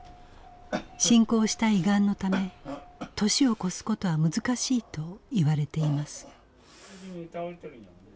進行した胃がんのため年を越すことは難しいといわれています。